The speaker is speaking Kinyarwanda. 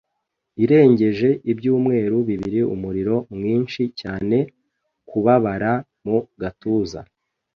irengeje ibyumweru bibiri, umuriro mwinshi cyane, kubabara mu gatuza